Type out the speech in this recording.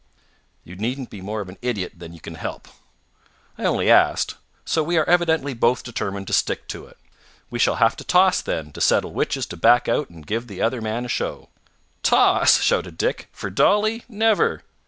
"You needn't be more of an idiot than you can help." "I only asked. So we are evidently both determined to stick to it. We shall have to toss, then, to settle which is to back out and give the other man a show." "Toss!" shouted Dick. "For Dolly! Never!"